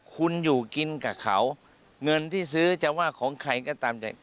คุณอยู่กินกับเขาเงินที่ซื้อจะว่าของใครก็ตามแต่